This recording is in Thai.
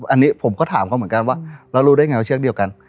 อันนี้ผมก็ถามเขาเหมือนกันว่าเรารู้ได้ไงว่าเชือกเดียวกัน